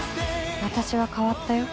私は変わったよ。